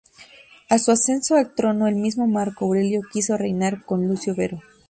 A su ascenso al trono el mismo Marco Aurelio quiso reinar con Lucio Vero.